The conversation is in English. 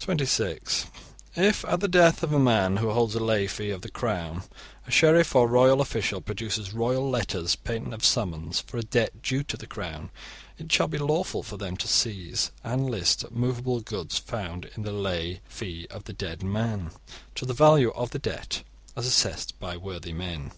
(26) If at the death of a man who holds a lay 'fee' of the Crown, a sheriff or royal official produces royal letters patent of summons for a debt due to the Crown, it shall be lawful for them to seize and list movable goods found in the lay 'fee' of the dead man to the value of the debt, as assessed by worthy men.